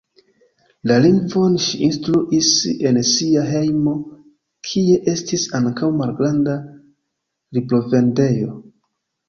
La lingvon ŝi instruis en sia hejmo, kie estis ankaŭ malgranda librovendejo.